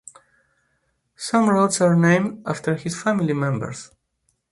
Some roads are named after his family members.